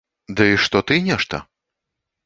Ды што ты нешта?